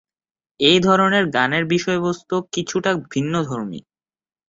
এ ধরনের গানের বিষয়বস্তু কিছুটা ভিন্নধর্মী।